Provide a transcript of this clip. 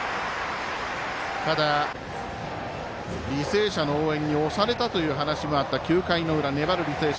ただ、履正社の応援に押されたという話もあった９回の裏、粘る履正社。